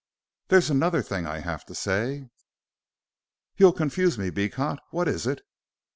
"There's another thing I have to say." "You'll confuse me, Beecot. What is it?"